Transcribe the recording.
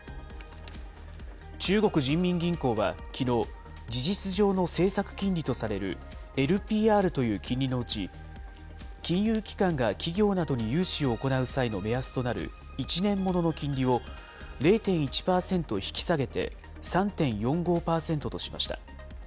中国人民銀行はきのう、事実上の政策金利とされるＬＰＲという金利のうち、金融機関が企業などに融資を行う際の目安となる１年物の金利を０．１％引き下げて、３．４５％としました。